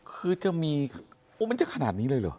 คือจะมีโอ้มันจะขนาดนี้เลยเหรอ